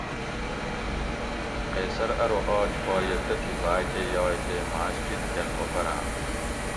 قیصر ارو آج پا یہ تتھی باۤکہ یائ تے ماں شیت کۤن اوپراۤں